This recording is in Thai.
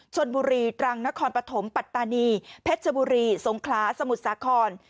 ชนบุรีตรังนครปฐมปัตตานีเพชรบุรีสงขลาสมุทรสาคร